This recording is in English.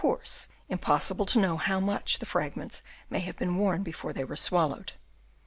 253 course impossible to know how much the fragments may have been worn before they were swallowed.